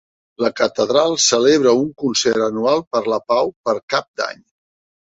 La catedral celebra un concert anual per la pau per Cap d'Any.